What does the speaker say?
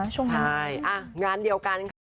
ใช่งานเดียวกัน